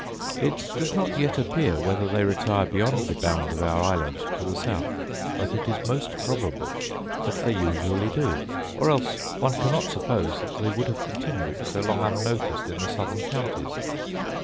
It does not yet appear whether they retire beyond the bounds of our island to the south; but it is most probable that they usually do, or else one cannot suppose that they would have continued so long unnoticed in the southern counties.